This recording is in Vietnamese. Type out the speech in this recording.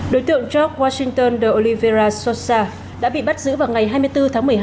đối tượng george washington de oliveira sousa đã bị bắt giữ vào ngày hai mươi bốn tháng một mươi hai